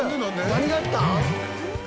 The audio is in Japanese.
何があったん！？